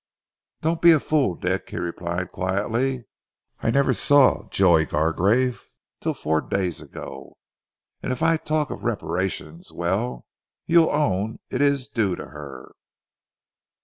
"Don't be a fool, Dick," he replied quietly. "I never saw Joy Gargrave till four days ago, and if I talk of reparation, well, you'll own it is due to her."